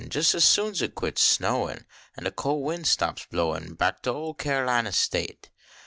Jes as soon /.it quits a snowili , An de col win stops a blowin, Rack to ol Kyarlina State.